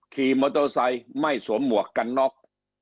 ขี่มอเตอร์ไซค์ไม่สวมหมวกกันน็อก